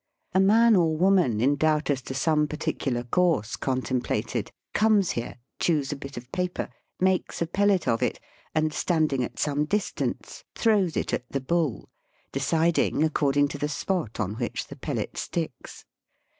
A man or woman in doubt as to some particular course contemplated, comes here, chews a bit of Digitized by VjOOQIC TEMPLES AND WOBSHIPPERS. 76 paper, makes a pellet of it, and, standing at some distance, tlirows it at the bull, deciding according to the spot on which the pellet sticks.